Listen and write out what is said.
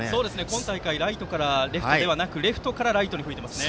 今大会はライトからレフトではなくレフトからライトに吹いていますよね。